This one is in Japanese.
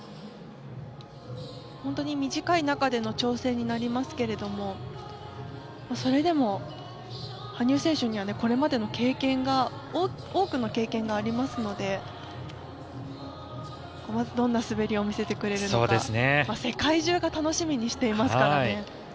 本当に短い中での調整になりますけどそれでも、羽生選手にはこれまでの経験が多くの経験がありますのでまずどんな滑りを見せてくれるのか世界中が楽しみにしていますからね。